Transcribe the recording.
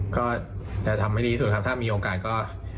ก็จะทำให้ดีที่สุดครับถ้ามีโอกาสก็